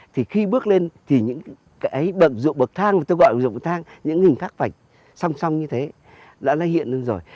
thì khi bước lên thì những cái bậc rụ bậc thang tôi gọi là bậc rụ bậc thang những hình phát vạch song song như thế đã hiện lên rồi